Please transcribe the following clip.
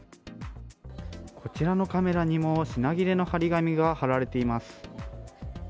こちらのカメラにも、品切れの貼り紙が貼られています。